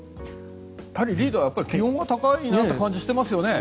リーダー気温が高いなって感じがしてますよね。